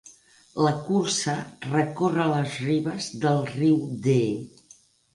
La cursa recorre les ribes del riu Dee.